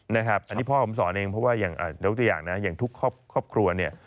นะครับอันนี้พ่อผมสอนเองเพราะว่าอย่างยกตัวอย่างนะอย่างทุกครอบครัวเนี่ย